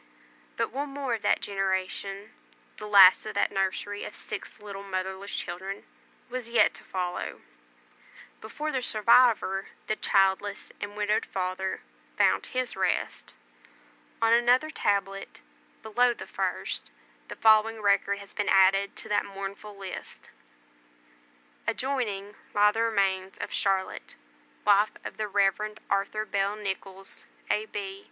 But one more of that generation the last of that nursery of six little motherless children was yet to follow, before the survivor, the childless and widowed father, found his rest. On another tablet, below the first, the following record has been added to that mournful list: ADJOINING LIE THE REMAINS OF CHARLOTTE, WIFE OF THE REV. ARTHUR BELL NICHOLLS, A.B.